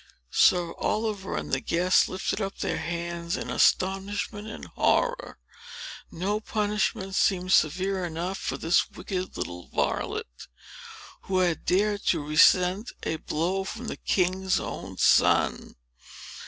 Sir Oliver and the guests lifted up their hands in astonishment and horror. No punishment seemed severe enough for this wicked little varlet, who had dared to resent a blow from the king's own son.